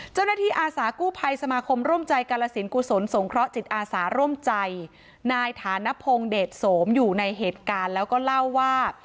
อาสากู้ภัยสมาคมร่วมใจกาลสินกุศลสงเคราะหจิตอาสาร่วมใจนายฐานพงศ์เดชโสมอยู่ในเหตุการณ์แล้วก็เล่าว่า